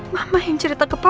mama yang cerita ke papa